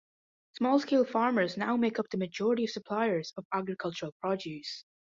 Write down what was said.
Small scale farmers now make up the majority of suppliers of agricultural produce.